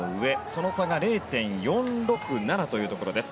その差が０．４６７というところです。